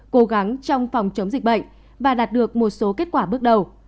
cố gắng trong phòng chống dịch bệnh và đạt được một số kết quả bước đầu